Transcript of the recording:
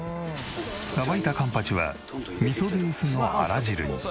さばいたカンパチは味噌ベースのあら汁に。